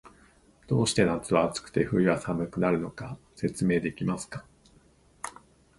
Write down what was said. どうして夏は暑くて、冬は寒くなるのか、説明できますか？